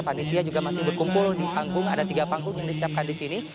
panitia juga masih berkumpul di panggung ada tiga panggung yang disiapkan di sini